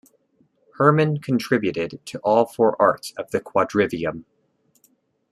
Hermann contributed to all four arts of the quadrivium.